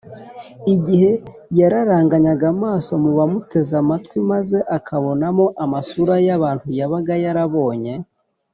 igihe yararanganyaga amaso mu bamuteze amatwi maze akabonamo amasura y’abantu yabaga yarabonye